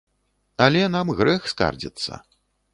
Але нам грэх скардзіцца.